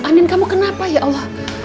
amin kamu kenapa ya allah